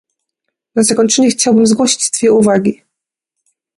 Na zakończenie chciałbym zgłosić dwie uwagi